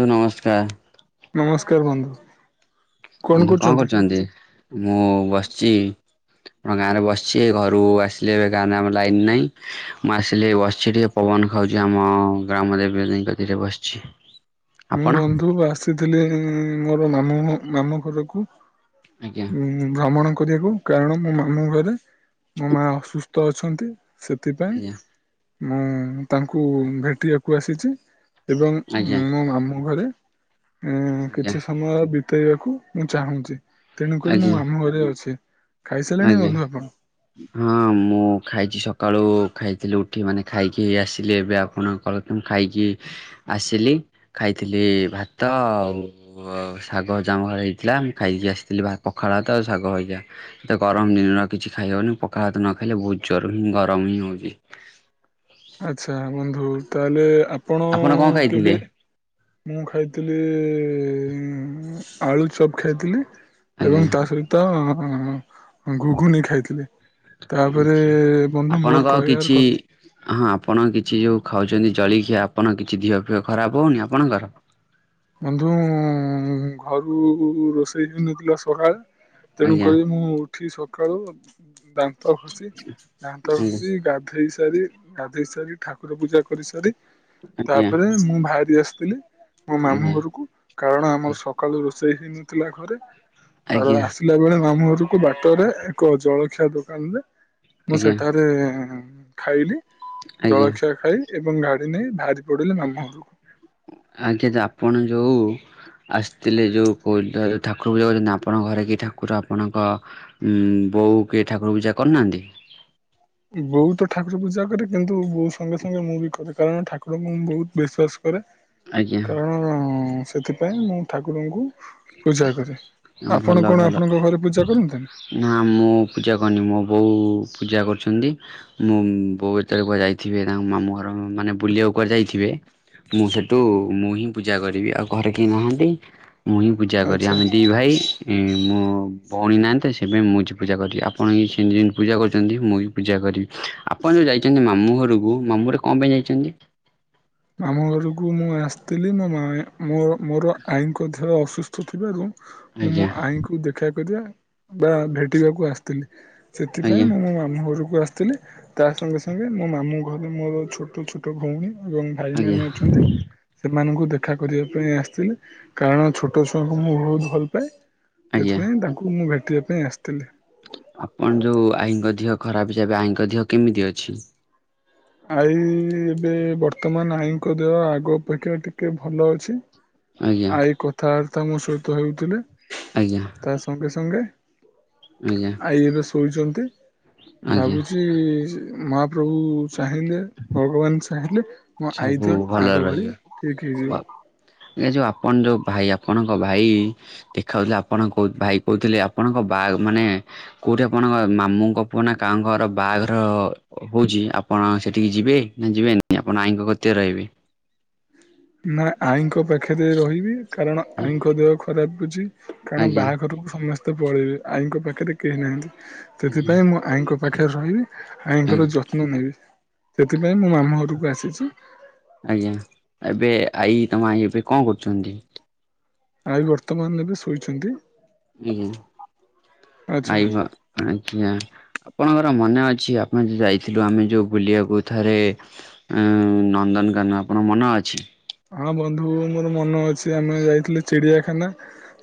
ଧୁ ନମସ୍କାର। ନମସ୍କାର ବନ୍ଧୁ। ବନ୍ଧୁ କଣ କରୁଛନ୍ତି? ମୁଁ ବସିଛି। ଆମ ଗାଁ ରେ ବସିଛି ଘରୁ ଆସିଲେ ଏବେ ଗାଁରେ ଆମ ଲାଇନ ନାହିଁ ମୁଁ ଆସିଲି ବସିଛି ଟିକେ ପବନ ଖାଉଛି ଆମ-ଅ-ଅ ଗ୍ରାମ ଦେବୀ [unintelligible] କତିରେ ବସିଛି। ମୁଁ ଆପଣ? ବନ୍ଧୁ ଆସିଥିଲି ମୋର ମାମୁଁ ମାମୁଁ ଘରକୁ। ଆଜ୍ଞା। ଉ-ଉ ଭ୍ରମଣ କରିବାକୁ କାରଣ ମୋ ମାମୁଁ ଘରେ ମୋ ମା ଅସୁସ୍ଥ ଅଛନ୍ତି। ସେଥିପାଇଁ ଆଜ୍ଞା ମୁଁ ତାଙ୍କୁ ଭେଟିବାକୁ ଆସିଛି। ଏବଂ ଆଜ୍ଞା ମୋ ମାମୁ ଘରେ ଉ-ଉ-ଉ ଆଜ୍ଞା କିଛି ସମୟ ବି ଉତେଇବାକୁ ମୁଁ ଚାହୁଁଛି ତେଣୁକରି ମୋ ଆଜ୍ଞା ମାମୁଁ ଘରେ ଅଛି। ଖାଇସାରିଲଣି ଆଜ୍ଞା। ବନ୍ଧୁ ଆପଣ? ହଁ ମୁଁ ଖାଇଛି ସକାଳୁ ଖାଇଥିଲି ଉଠି ମାନେ ଖାଇକି ଆସିଲି ଏବେ ଆପଣ କ ମୁଁ ଖାଇକି ଆସିଲି ଖାଇଥିଲି ଭାତ ଆଉ ଆ ଶାଗ ଯା ଆମ ଘରେ ହେଇଥିଲା ମୁଁ ଖାଇକି ଆସିଥିଲି ବା ପଖାଳ ଭାତ ଆ ଶାଗ ହଜା। ଏତେ ଗରମ ଦିନର କିଛି ଖାଇହଉନି ପଖାଳ ଭାତ ନ ଖାଇଲେ ବହୁତ ଯୋରରେ ହିଁ ଗରମ ହିଁ ହଉଛି। ଆଚ୍ଛା ବନ୍ଧୁ ତାହେଲେ ଆପଣ କଣ ଆପଣ-ଅ-ଅ ଖାଇଥିଲେ? କେବେ ମୁଁ ଖାଇଥିଲି-ଇ-ଇ-ଇ-ଇ ଆଳୁ ଚପ୍ ଖାଇଥିଲି। ଆଜ୍ଞା ଏବଂ ତା ସହିତ-ଅ-ଅ-ଅ ଘୁଘୁନି ଖାଇଥିଲି। ଆଜ୍ଞା ତାପରେ-ଏ-ଏ-ଏ ବନ୍ଧୁ ଆପଣଙ୍କ ମୋର କିଛି କହିବାର କଥା ହଁ ଆପଣ କିଛି ଯୋଉ ଖାଉଛନ୍ତି ଜଳିଖିଆ ଆପଣ କିଛି ଦିହ ଫିଅ ଖରାପ ହଉନି ଆପଣଙ୍କର? ବନ୍ଧୁ-ଉ-ଉ-ଉ ଘରୁ-ଉ-ଉ-ଉ ରୋଷେଇ ହେଇନଥିଲା ସକାଳେ। ଆଜ୍ଞା ତେଣୁକରି ମୁଁ ଉଠି ସକାଳୁ ଦାନ୍ତ ଘସି ଦାନ୍ତ ଆଜ୍ଞା ଘସି ଗା ଧେଇ ସାରି ଗାଧେଇ ସାରି ଠାକୁର ପୂଜା କରିସାରି ଆଜ୍ଞା ତାପରେ ମୁଁ ବାହାରି ଆସିି ଇଲି ମୋ ମାମୁଁ ଆଜ୍ଞା ଘରକୁ କାରଣ ଆମର ସକାଳୁ ରୋଷେଇ ହେଇନଥିଲା ଘରେ ଆଜ୍ଞା ଆ-ଆ-ଆସି ପିଲା ବେଳେ ମାମୁଘରକୁ ବାଟରେ ଏକ ଜଳଖିଆ ଦୋକାନ ରେ ମୁଁ ଆଜ୍ଞା। ସେଠାରେ-ଏ-ଏ ଖାଇଲି ଆଜ୍ଞା ଜଳଖିଆ ଖାଇ ଏବଂ ଗାଡି ନେଇ ବାହାରି ପଡିଲେ ମାମୁଁ ଘରକୁ। ଆଜ୍ଞା ଯେ ଆପଣ ଯେଉଁ ଆସିଥିଲେ ଯେଉଁ [unintelligible] ଠାକୁର ପୂଜା କରିବା ଆପଣଙ୍କ ଘରେ କି ଠାକୁର ଆପଣଙ୍କ ଉ-ଉ-ଉ ବୋଉ କିଏ ଠାକୁର ପୂଜା କରୁନାହାଁନ୍ତି? ବୋଉ ତ ଠାକୁର ପୂଜା କରେ କିନ୍ତୁ ବୋଉ ସଙ୍ଗେ ସଙ୍ଗେ ମୁଁ ବି କରେ। କାରଣ ଠାକୁରଙ୍କୁ ମୁଁ ବହୁତ ବିଶ୍ଵାସ କରେ ଆଜ୍ଞା କାରଣ-ଅ-ଅ-ଅ ସେ ସେଥିପାଇଁ ମୁଁ ଠାକୁରଙ୍କୁ ପୂଜା କରେ। ଆପଣ କଣ ଆପଣଙ୍କ ଘରେ ପୂଜା କରନ୍ତିନି? ନାଁ ମୁଁ ପୂଜା କରୁନି ମୋ ବୋଉ-ଉ-ଉ-ଉ ପୂଜା କରୁଛନ୍ତି। ମୁଁ ବୋଉ ଯେତେବେଳେ କୁଆଡ଼େ ଯାଇଥିବେ ତାଙ୍କ ମାମୁଁ ଘର ମାନେ ବୁଲିବାକୁ କୁଆଡ଼େ ଯାଇଥିବେ ମୁଁ ସେଇଠୁ ମୁଁ ହିଁ ପୂଜା କରିବି ଆଉ ଘରେ କେହି ନାହାନ୍ତି। ମୁଁ ହିଁ ପୂଜା କରେ ଆଚ୍ଛା। ଆମେ ଦି ଭାଇ। ଏ ମୋ ଭଉଣୀ ନାହାଁନ୍ତି ତ ସେଥିପାଇଁ ମୁଁ ଛି ପୂଜା କରି ଆପଣ ଯେମିତି ସେମିତି ପୂଜା କରୁଛନ୍ତି ମୁଁ ବି ପୂଜା କରିବି। ଆପଣ ଯୋଉ ଯାଇଛନ୍ତି ମାମୁଁ ଘରକୁ ମାମୁ ଘରେ କଣ ପାଇଁ ଯାଇଛନ୍ତି? ମାମୁଁ ଘରକୁ ମୁଁ ଆସିଥିଲି ମୋ ମା ମୋ ମୋର ଆଈଙ୍କ ଦେହ ଅସୁସ୍ଥ ଥିବାରୁ ମୁଁ ଆଜ୍ଞା ମୋ ଆଈଙ୍କୁ ଦେଖା କରିବା ବା ଭେଟିବାକୁ ଆସିଥିଲି। ସେଥିପାଇଁ ଆଜ୍ଞା ମୁଁ ମୋ ମାମୁଁ ଘରକୁ ଆସିଥିଲି। ତା ସଙ୍ଗେ ସଙ୍ଗେ ମୋ ମାମୁଁ ଘରେ ମୋର ଛୋଟ ଛୋଟ ଭଉଣୀ ଏବଂ ଭାଇ ଆଜ୍ଞା ମାନେ ଅଛନ୍ତି। ସେମାନଙ୍କୁ ଦେଖା କରିବା ପାଇଁ ଆସିଥିଲେ କାରଣ ଛୋଟ ଛୁଆଙ୍କୁ ମୁଁ ବହୁତ ଭଲ ପାଏ। ଆଜ୍ଞା। ସେଥିପାଇଁ ତାଙ୍କୁ ମୁଁ ଭେଟିବା ପାଇଁ ଆସିଥିଲି। ଆପଣ ଯୋଉ ଆଈଙ୍କ ଦେହ ଖରାପ ଯେ ଏବେ ଆଈଙ୍କ ଦେହ କେମିତି ଅଛି? ଆଈ ଏବେ ବର୍ତ୍ତମାନ ଆଈଙ୍କ ଦେହ ଆଗ ଅପେକ୍ଷା ଟିକେ ଭଲ ଅଛି। ଆଜ୍ଞା ଆଇ କଥାବାର୍ତ୍ତା ମୋ ସହିତ ହେଉଥିଲେ। ଆଜ୍ଞା। ତା ସଙ୍ଗେ ସଙ୍ଗେ ଆଜ୍ଞା। ଆଇ ଏବେ ଶୋଇଛନ୍ତି ଆଜ୍ଞା ଭାବୁଛି ମହାପ୍ରଭୁ ଚାହିଁଲେ ଭଗବାନ ଚାହିଁଲେ ମୋ ଆଇ ସବୁ ଦେହ ଭଲରେ ଆଗ ଭଳି ରହିବେ। ଠିକ୍ ହେଇଯିବ। ଏ ଯୋଉ ଆପଣ ଯେଉ ଭାଇ ଆପଣଙ୍କ ଭାଇ ଦେଖାଉଥିଲେ ଆପଣ କ ଭାଇ କହୁଥିଲେ ଆପଣଙ୍କ ବାଆ ମାନେ କୋଉଠି ଆପଣଙ୍କ ମାମୁଁଙ୍କ ପୁଅ ନା କାଆ ଙ୍କ ଘର ବାହାଘର ହଉଛି। ଆପ୍ ଆପଣ ସେଠିକି ଯିବେ ନା ଯିବେନି? ଆପଣ ଆଇ ଙ୍କ କତିରେ ରହିବି। ନା ଆଇଙ୍କ ପା ପାଖରେ ରହିବି କାରଣ ଆଇଁଙ୍କ ଦେହ ଖରାପ ଅଛି କାରଣ ଆଜ୍ଞା ବାହାଘରକୁ ସମ ତ ପଳେଇବି ଆଈଙ୍କ ପାଖରେ କେହି ନାହାଁନ୍ତି ଆଜ୍ଞା ସେଥିପାଇଁ ମୁଁ ଆଈଙ୍କ ପାଖରେ ରହିବି। ଆଈଙ୍କର ଆଜ୍ଞା ଯତ୍ନ ନେବି ସେଥିପାଇଁ ମୁଁ ମାମୁଁ ଘରକୁ ଆସିଛି। ଆଜ୍ଞା ଏବେ ଆଇ ତମ ଆଇ ଏବେ କଣ କରୁଛନ୍ତି? ଆଇ ବର୍ତ୍ତମାନ ଏବେ ଶୋଇଛନ୍ତି। ଆଜ୍ଞା ଆଚ୍ଛା ଆଇ ଭ ଆଜ୍ଞା ଆପଣଙ୍କର ମନେ ଅଛି ଆପଣ ଯୁ ଯାଇଥିଲୁ ଆମେ ଯୋଉ ବୁଲିବାକୁ ଥରେ ନନ୍ଦନକାନନ ଆପଣ ମନ ଅଛି? ହଁ ବନ୍ଧୁ ମୋର ମନ ଅଛି ଆମେ ଯାଇଥିଲେ ଚିଡିଆଖାନା।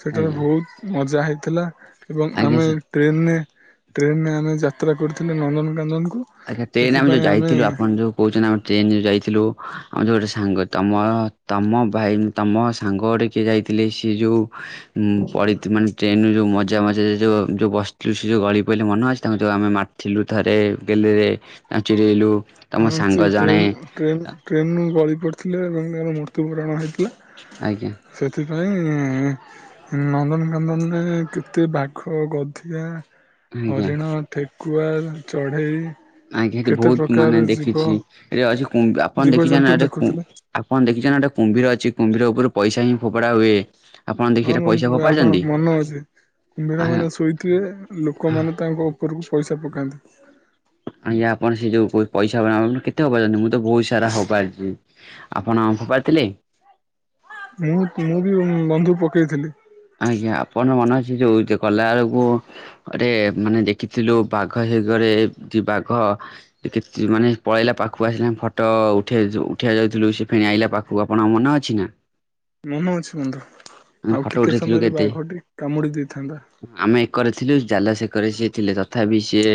ସେଠାରେ ଆଜ୍ଞା ବହୁତ ମଜା ହେଇଥିଲା ଏବଂ ଆଜ୍ଞା ଆମେ ସେ ଟ୍ରେନରେ ଟ୍ରେନ ରେ ଆମେ ଯାତ୍ରା କରୁଥିଲେ ନନ୍ଦନକାନନକୁ। ଆଜ୍ଞା ଟ୍ରେନ ଆମେ ଯଉ ଯାଇଥିଲୁ ଆପଣ ଯୁ କହୁଛନ୍ତି ଆମେ ଟ୍ରେନ ଯୁ ଯାଇଥିଲୁ ଯୁ ଗୋଟେ ସାଙ୍ଗ ତମ ତମ ଭାଇ ତମ ସାଙ୍ଗ ଗୋଟେ କିଏ ଯାଇଥିଲେ ସିଏ ଯେଉଁ ପଡି ମାନେ ଟ୍ରେନ୍ର ଯେଉ ମଜା [unintelligible] ବସିଥିଲୁ ସେ ଯେଉଁ ଗଳି ପଡ଼ିଲ ମନ ଅଛି ତାଙ୍କୁ ଯେଉଁ ଆମେ ମାରିଥିଲୁ ଥରେ ଗେଲରେ ଚିଡେଇଲୁ ତମ ସେ ସାଙ୍ଗ ଜଣେ ଟ୍ରେନ୍ ଟ୍ରେନ୍ ଟ୍ରେନ୍ରୁ ଗଳି ପଡ଼ିଥିଲେ ଏବଂ ତାର ମୃତ୍ୟୁବରଣ ହୋଇଥିଲା। ଆଜ୍ଞା। ସେଥିପାଇଁ ନନ୍ଦନକାନନରେ କେତେ ବାଘ ଗଧିଆ ଆଜ୍ଞା ହରିଣ ଠେକୁଆ ଚଢେଇ ଆଜ୍ଞା ହେଠି ବହୁତ ମାନେ ଦେଖିଛି ଅଛି କୁ ଆପଣ ଜୀବଜନ୍ତୁ ଦେଖିଛନ୍ତି କୁ ଦେଖୁଥିଲେ। ଆପଣ ଦେଖିଛ ନା ଗୋଟ କୁମ୍ଭୀର ଅଛି କୁମ୍ଭୀର ଉପରେ ପଇସା ହିଁ ଫୋପାଡା ହୁଏ। ଆପଣ ଦେଖି ହଁ ଏଇଟା ପଇସା ବନ୍ଧୁ ଆପଣ ଫୋପାଡିଛନ୍ତି ମନେ ଅଛି କୁମ୍ଭୀର ମାନେ ଶୋଇଥିବେ ଆ ଲୋକମାନେ ତାଙ୍କ ଉ ଉପରକୁ ପଇସା ପକାନ୍ତି। ଆଜ୍ଞା ଆପଣ ସେ ଯୋଉ ପଇସା କେତେ ହବ ପାରଛନ୍ତି ମୁଁ ତ ବହୁତ ସାରା ହବପାରିଛି। ଆପଣ ଫୋପାଡ଼ି ଥିଲେ? ମୁଁ ମୁଁ ବି ବନ୍ଧୁ ପକେଇଥିଲି। ଆଜ୍ଞା ଆପଣ ମନେ ଅଛି ଯୋଉ ଗଲା ବେଳକୁ ରେ ମାନେ ଦେଖିଥିଲୁ ବାଘ ହେଇଘରେ ଯି ବାଘ ଦେଖିଥିଲୁ ମାନେ ପଳେଇଲା ପାଖକୁ ଆସିଲା ଫଟ ଉଠେଉଜୁ ଉଠେଆକୁ ଯାଉଥିଲୁ, ସେ ଫୁଣି ଆଇଲା ପାଖ ଆଉ ଆପଣଙ୍କ ମନ ଅଛି ନା? ମନେ ଅଛି ବନ୍ଧୁ ଆମେ ଆଉ ଫଟୋ ଟିକେ ଉଠେଇଥିଲୁ ସମୟରେ କେତେ ବାଘ ଟି କାମୁଡି ଦେଇଥାନ୍ତା। ଆମେ ଏକରେ ଥିଲୁ ଜାଲ ସେକରେ ସିଏ ଥିଲେ ତଥାପି ସିଏ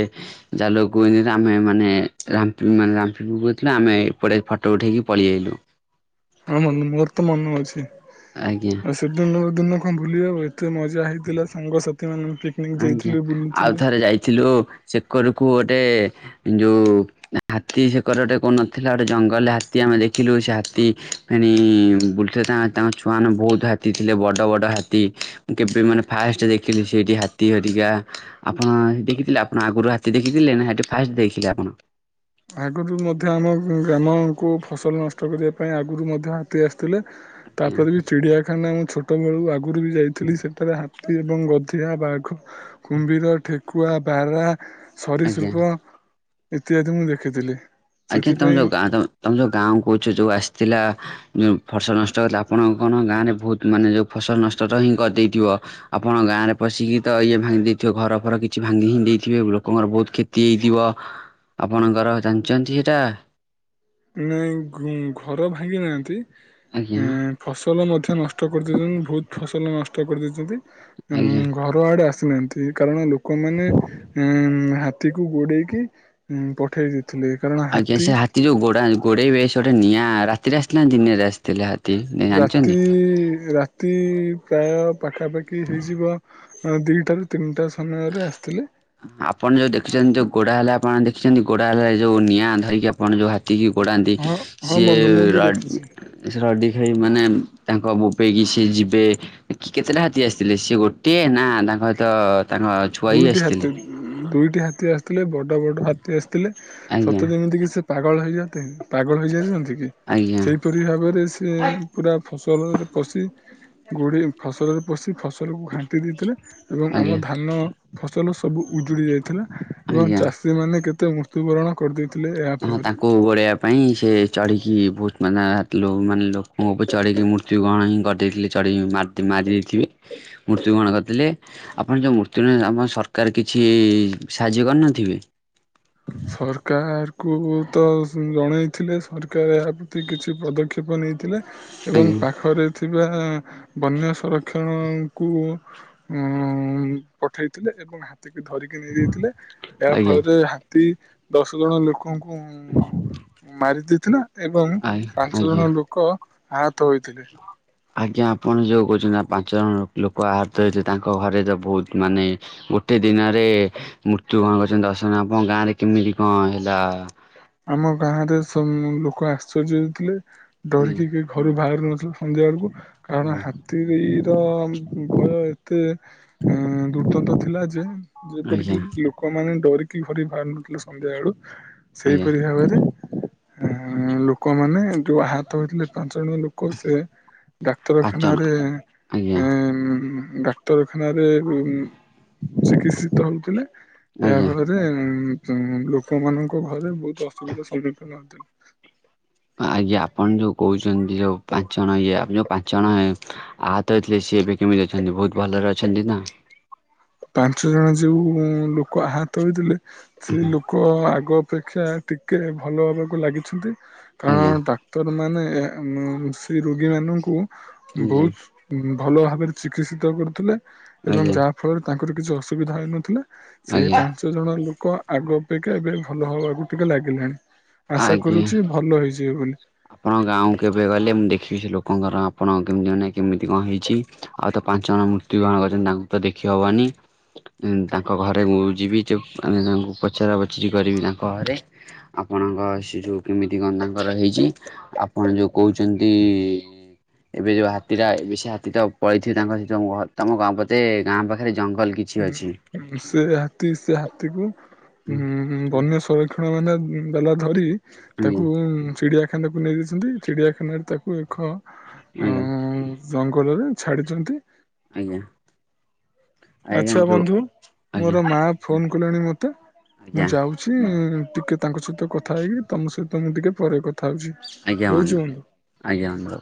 ଜାଲ କୁ ଏମିତି ଆମେ ମାନେ ରାମ୍ପି ରାମ୍ପିପକାଉ ଥିଲା ଆମେ ଏପଟେ ଫଟୋ ଉଠେଇକି ପଳେଇେଆଇଲୁ। ହଁ ମ ମୋର ତ ମନେ ଅଛି। ଆଜ୍ଞା। ସେଦିନ ର ଦିନ କଣ ଭୁଲି ହେବ। ଏତେ ମଜା ହେଇଥିଲା ସାଙ୍ଗସାଥି ମାନେ ପିକନିକ ଆଜ୍ଞା ଯାଇଥିଲୁ ଆଉ ବୁଲୁଥିଲେ। ଥରେ ଯାଇଥିଲୁ ସେକରକୁ ଗୋଟେ ଯୋଉ ହାତୀ ସେକର ଗୋଟେ କୋଉ ନଥିଲା ଗୋଟେ ଜଙ୍ଗଲରେ ହାତୀ ଆମେ ଦେଖିଲୁ ସେ ହାତୀ ଫେଣି ବୁଲଥିଲେ ତାଙ୍କ ଛୁଆମାନେ ବହୁତ ହାତୀ ଥିଲେ ବଡ଼ ବଡ଼ ହାତୀ କେବେ ମାନେ ଫାଷ୍ଟ ଦେଖିଲି ସେଇଠି ହାତୀ ହେରିକା। ଆପଣ ଦେଖିଥିଲେ ଆପଣ ଆଗରୁ ହାତୀ ଦେଖିଥିଲେ ନା ହେଠି ଫାଷ୍ଟ ଦେଖିଲେ ଆପଣ? ଆଗରୁ ମଧ୍ୟ ଆମ ଗ୍ରାମକୁ ଫସଲ ନଷ୍ଟ କରିବା ପାଇଁ ଆଗରୁ ମଧ୍ୟ ହାତୀ ଆସିଥିଲେ। ଆଜ୍ଞା ତାପରେ ବି ଚିଡ଼ିଆଖାନା ମୁଁ ଛୋଟବେଳୁ ଆଗରୁ ବି ଯାଇଥିଲି ସେଠାରେ ହାତୀ ଏବଂ ଗଧିଆ, ବାଘ କୁମ୍ଭୀର, ଠେକୁଆ, ବାରାହା, ଆଜ୍ଞା। ସରିସୃପ ଇତ୍ୟାଦି ମୁଁ ଦେଖ ଖିଥିଲି। ଆଜ୍ଞା ତମେ ଯୋଉ ଗାଁ ତମେ ଯୋଉ ଗାଁ କହୁଛ ଯୋଉ ଆସିଥିଲା ଯୋଉ ଫସଲ ନଷ୍ଟ କଲେ ଆପଣଙ୍କର ଗାଁ ରେ ବହୁତ ମାନେ ଯୋଉ ଫସଲ ନଷ୍ଟ ତ ହିଁ କରିଦେଇଥିବ। ଆପଣଙ୍କ ଗାଁରେ ପଶିକି ତ ଇଏ ଭାଙ୍ଗି ଦେଇଥିବ ଘର ଫର କିଛି ଭାଙ୍ଗି ହି ଦେଇଥିବେ ଲୋକଙ୍କର ବହୁତ କ୍ଷ ତିି ହେଇଥିବ ଆପଣଙ୍କର ଜାଣିଛନ୍ତି ସେଇଟା? ନାଇଁ ଘ ଘର ଭାଙ୍ଗି ନାହାନ୍ତି ଆଜ୍ଞା ଫସଲ ମଧ୍ୟ ନଷ୍ଟ କରିଦେଇଛନ୍ତି। ବହୁତ ଫସଲ ନଷ୍ଟ କରିଦେଇଛନ୍ତି। ଆଜ୍ଞା। ଘ କୁଆଡେ ଆସିନାହାନ୍ତି କାରଣ ଲୋକମାନେ ହାତୀକୁ ଗୋଡେଇକି ହୁଁ ପଠେଇଚି। ଥିଲି କାରଣ ଆଜ୍ଞା ସେ ହାତୀ ଯୋଉ ଗୋଡା ଗୋଡେଇବେ ସେ ଗୋଟେ ନିଆଁ ରାତିରେ ଆସିିଥିଲେ ନା ଦିନରେ ଆସିଥିଲେ ହା ରାତି ରା ତି ପ୍ରାୟ ପାଖାପାଖି ହେଇଯିବ ଦିଟାରୁ ତିନିଟା ସମୟରେ ଆସିଥିଲେ। ଆପଣ ଯୋଉ ଦେଖିଛନ୍ତି ଯୋଉ ଗୋଡା ହେଲା ଆପଣ ଦେଖିଛନ୍ତି ଗୋଡା ହେଲା ଯୋଉ ନିଆଁ ଧରିକି ଆପଣ ଯୋଉ ହା ତିକି ଗୋଡ଼ାନ୍ତି। ହଁ ହଁ ସିଏ ବନ୍ଧୁ ମୁଁ ବି ର ଦେଖିଛି ସେ ରଡ଼ି ଖାଇ ମାନେ ତାଙ୍କ ବୋବେଇକି ସେ ଯିବେ କେତେଟା ହାତୀ ଆସିଥିଲେ ସିଏ ଗୋଟିଏ ନା ତାଙ୍କ ସହିତ ତାଙ୍କ ଛୁଆ ହିଁ ଦୁଇଟି ଆସିଥିଲେ? ହାତୀ ଦୁଇଟି ହାତୀ ଆସିଥିଲେ ବଡ ବଡ ହା ତୀ ଆସିଥିଲେ। ଆଜ୍ଞା ସତେ ଯେମିତିକି ସେ ପାଗଳ ହୋଇଯାନ୍ତେ ପାଗଳ ହୋଇଯାଇଚନ୍ତି କି? ଆଜ୍ଞା ସେଇପରି ଭାବରେ ସେ ପୁରା ଫସଲରେ ପଶି ଗୋଡେଇ ଫସଲରେ ପଶି ଫସଲକୁ ଘାଣ୍ଟି ଦେଇଥିଲେ ଏବଂ ଆମ ଆଜ୍ଞା ଧାନ ଫସଲ ସବୁ ଉଜୁଡ଼ି ଯାଇଥିଲା ଏବଂ ଆଜ୍ଞା ଚାଷୀମାନେ କେତେ ମୃତ୍ୟୁବରଣ କରିଦେଇଥିଲେ। ଏହା ଫଳରେ କୁ ଘୋଡେଇବାପାଇଁ ସେ ଚଢ଼ୀକି ଭୋସ୍ ମାନେ ହାତୀ ଯୋଉ ଲୋକଙ୍କ ଉପରେ ଚଢ଼ିକୀ ମୁ ମୃତ୍ୟୁ ଗ୍ରହଣ ହିଁ କରିଦେଇଥିଲେ ଚଢ଼େଇ ମାରି ଦେ ଦେଇଥିବେ ମୃତ୍ୟୁବରହଣ କରିଥିଲେ। ଆପଣ ଯୋଉ ମୃତ୍ୟୁ ଆପଣ ସରକାର କିଛି ସାହାଯ୍ୟ କରିନଥିବେ? ସରକାରକୁ ତ ଜଣେଇଥିଲେ ସରକାର ଏହା ପ୍ରତି କିଛି ପଦକ୍ଷେପ ନେଇଥିଲେ। ଏବଂ ଆଜ୍ଞା ପାଖରେ ଥିବା ବନ୍ୟା ସଂରକ୍ଷଣଙ୍କୁ ଉଁ ପଠେଇଥିଲେ ଏବଂ ହାତୀକୁ ଧରିକି ନେଇ ଯାଇଥିଲେ ଏହା ଆଜ୍ଞା ଫଳରେ ହା ତୀ ଦଶ ଜଣ ଲୋକଙ୍କୁ ମାରି ଦେଇଥିଲା। ଏବଂ ଆଜ୍ଞା ପାଞ୍ଚ ଆଜ୍ଞା ଜଣ ଲୋକ ଆହତ ହୋଇଥିଲେ। ଆଜ୍ଞା ଆପଣ ଯେଉଁ କହୁଛନ୍ତି ଆ ପାଞ୍ଚ ଜଣ ଲୋକ ଆହତ ହେଇଥିଲେ ତାଙ୍କ ଘରେ ତ ବହୁତ ମାନେ ଗୋଟେ ଦିନରେ ମୃତ୍ୟୁ କଣ କରିଛନ୍ତି ଦଶ ଜଣ ଆପଣ ଗାଁରେ କେମିତି କଣ ହେଲା? ଆମ ଗାଁରେ ସବ ଲୋକ ଆଶ୍ଚର୍ଯ୍ୟ ହେଉଥିଲେ ଡରିକି ହୁଁ କେ ଘରୁ ବାହାରୁ ନଥିଲେ ସନ୍ଧ୍ୟା ବେଳକୁ କାରଣ ହା ତିିର ଭୟ ଏତେ ଦୁର୍ଦ୍ଦନ୍ତ ଥିଲା ଯେ ଆଜ୍ଞା ଯେପରିକି ଲୋକମାନେ ଡରିକି ଘରେ ବାହାରୁ ନଥିଲେ ସନ୍ଧ୍ୟାବେଳୁ। ଆଜ୍ଞା ଆଜ୍ଞା ସେହିପରି ଭାବରେ ଆଁ ଲୋକମାନେ ଯୋଉ ଆହତ ହୋଇଥିଲେ ପାଞ୍ଚ ଜଣ ଲୋ କୋ ସେ ପାଞ୍ଚ ଜଣ ଡାକ୍ତରଖାନାରେ ଆଜ୍ଞା ଏଁ ଉଁମ୍ ଡାକ୍ତ କ୍ତର ଖାନାରେ ଚିକିତ୍ସିତ ହଉଥିଲେ। ଏହା ଆଜ୍ଞା ଫଳରେ ଯେ ଉଁ ତୁଙ୍ଗ ଲୋକମାନଙ୍କ ଘରେ ବହୁତ ଅସୁବିଧା ସମ୍ମୁଖୀନ ହଉଥିଲେ। ଆଜ୍ଞା ଆପଣ ଯୋଉ କହୁଛନ୍ତି ଯୋଉ ପାଞ୍ଚ ଜଣ ଇଏ ଆପଣ ଯୋଉ ପାଞ୍ଚ ଜଣ ଏ ଆହାତ ହୋଇଥିଲେ ଥିଲେ ସିଏ ଏବେକେମିତି ଅଛନ୍ତି ବହୁତ ଭଲରେ ଅଛନ୍ତି ନା? ପାଞ୍ଚ ଜଣ ଯେଉଁ ଲୋକ ଆହତ ହୋଇଥିଲେ ସେ ଲୋ କ ଆଗ ଅପେକ୍ଷା ଟିକେ ଭଲ ହବାକୁ ଲାଗିଛନ୍ତି। କାରଣ ଆଜ୍ଞା। ଡାକ୍ତରମାନେ ଆମ୍ ସେ ରୋଗୀମାନଙ୍କୁ ଆଜ୍ଞା ବହୁତ ଭଲ ଭାବରେ ଚିକିତ୍ସିତ କରୁଥିଲେ ଏବଂ ଆଜ୍ଞା ଯାହା ଫଳରେ ତାଙ୍କର କିଛି ଅସୁବିଧା ହେଇନଥିଲା। ସେଇ ଆଜ୍ଞା ପାଞ୍ଚ ଜଣ ଲୋକ ଆଗ ଅପେକ୍ଷା ଏବେ ଭଲ ହବାକୁ ଟିକେ ଲାଗିଲେଣି। ଆଶା ଆଜ୍ଞା କରୁଛି ଭଲ ହେଇଯିବେ ବୋଲି। ଆପଣଙ୍କ ଗାଁକୁ କେବେ ଗଲେ ମୁଁ ଦେଖିବି ସେ ଲୋକଙ୍କର ଆପଣ କେମିତି ମାନେ କେମିତି କଣ ହେଇଚି? ଆଉ ତ ପାଞ୍ଚ ଜଣ ମୃତ୍ୟୁ ବରଣ କରିଚନ୍ତି ତାଙ୍କୁ ତ ଦେଖି ହବନି। ଉ ତାଙ୍କ ଘରେ ମୁଁ ଯିବି ଚୁପ୍ ମାନେ ତାଙ୍କୁ ପଚରା ପଚରି କରିବି ତାଙ୍କ ଘରେ। ଆପଣଙ୍କ ସେ ଯୋଉ କେମିତି କଣ ତା ଙ୍କର ହେଇଚି। ଆପଣ ଯୋଉ କହୁଚନ୍ତି ଏବେ ଯୋଉ ହାତୀଟା ଏବେ ସେ ହାତୀ ଟା ପଳେଇଥିବ ତାଙ୍କ ସେ ଯୋଉ ଘର ତମ ଗାଁ ପତେ ଗାଁ ପାଖରେ ଜଙ୍ଗଲ କିଛି ଅଛି। ଉଁ ମ୍ ସେ ହାତୀ ସେ ହାତୀକୁ ଉଁ ବନ୍ୟା ସୁର କ୍ଷଣ ମାନେ ଡଲା ଧରି ଆଜ୍ଞା ତାକୁ ଚିଡିଆ ଖାନାକୁ ନେଇ ଯାଇଚନ୍ତି। ଚିଡ଼ିଆଖାନାରେ ତାକୁ ଏକ ଅ ଆଜ୍ଞା ଜଙ୍ଗଲରେ ଛାଡ଼ିଚନ୍ତି। ଆଜ୍ଞା। ଆଜ୍ଞା ଆଚ୍ଛା ଯୋଉ ବନ୍ଧୁ ଆଜ୍ଞା ମୋର ମା ଫୋନ କଲେଣି ମତେ ମୁଁ ଆଜ୍ଞା ଯାଉ ଛି ଟିକେ ତାଙ୍କ ସହିତ କଥା ହେଇକି ତମ ସହିତ ମୁଁ ଟିକେ ପରେ କଥା ହଉଚି। ଆଜ୍ଞା ବନ୍ଧୁ ଆଜ୍ଞା ଆମ